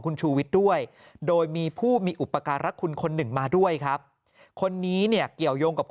คุณชูวิทย์ด้วยโดยมีผู้มีอุปการรักคุณคนหนึ่งมาด้วยครับคนนี้เนี่ยเกี่ยวยงกับ